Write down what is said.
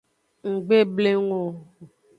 Nggbleng o.